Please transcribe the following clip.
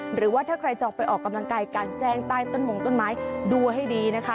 หรือว่าถ้าใครจะออกไปออกกำลังกายกลางแจ้งใต้ต้นมงต้นไม้ดูให้ดีนะคะ